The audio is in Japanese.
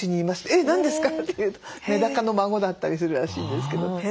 「えっ何ですか？」って言うとメダカの孫だったりするらしいんですけど。